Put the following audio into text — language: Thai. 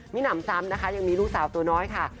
มีหนำซ้ำนะคะยังมีลูกสาวตัวน้อยค่ะ